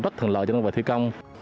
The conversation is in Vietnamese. rất thường lợi cho nhân vật thi công